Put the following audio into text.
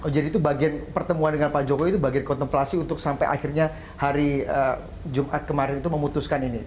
jadi itu bagian pertemuan dengan pak jokowi itu bagian kontemplasi untuk sampai akhirnya hari jumat kemarin itu memutuskan ini